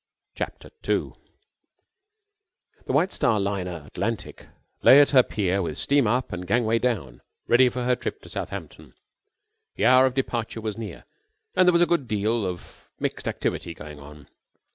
CHAPTER TWO The White Star liner Atlantic lay at her pier with steam up and gangway down ready for her trip to Southampton. The hour of departure was near and there was a good deal of mixed activity going on.